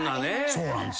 そうなんです。